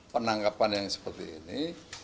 penangkapan yang seperti ini